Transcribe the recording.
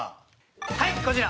はいこちら！